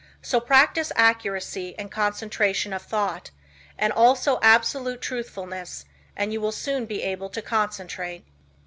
So practice accuracy and concentration of thought, and also absolute truthfulness and you will soon be able to concentrate.